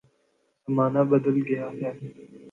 زمانہ بدل گیا ہے۔